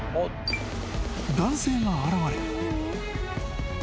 ［男性が現れ］